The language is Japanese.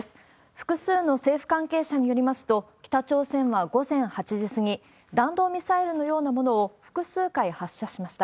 複数の政府関係者によりますと、北朝鮮は午前８時過ぎ、弾道ミサイルのようなものを複数回発射しました。